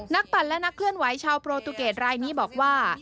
นักปั่นและนักเคลื่อนไว้ชาวโปรโตเกตฯล๑๘๙๐นี้บอกว่า